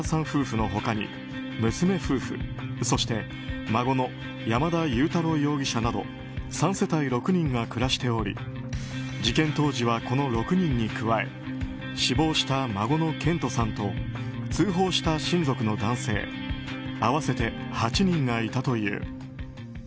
夫婦の他に娘夫婦、そして孫の山田悠太郎容疑者など３世帯６人が暮らしており事件当時はこの６人に加え死亡した孫の健人さんと通報した親族の男性合わせて８人がいたという。